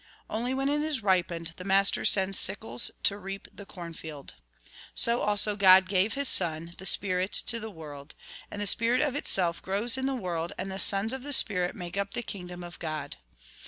Only when it is ripened, the master sends sickles to reap the cornfield. So also God gave His Son, the spirit, to the world ; and the spirit of itself grows in the world, and the sons of the spirit make up the kingdom of God.